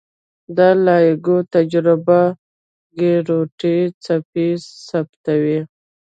د لایګو تجربه ګرویتي څپې ثبتوي.